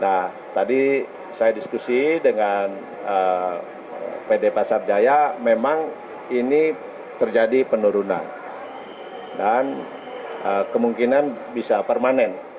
nah tadi saya diskusi dengan pd pasar jaya memang ini terjadi penurunan dan kemungkinan bisa permanen